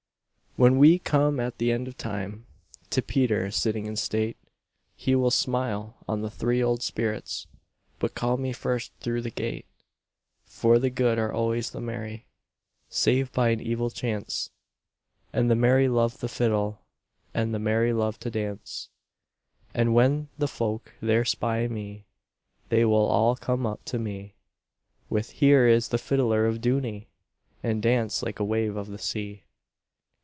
When we come at the end of time, To Peter sitting in state, He will smile on the three old spirits, But call me first through the gate; For the good are always the merry, Save by an evil chance, And the merry love the fiddleAnd the merry love to dance:And when the folk there spy me, They will all come up to me, With 'Here is the fiddler of Dooney!'And dance like a wave of the sea.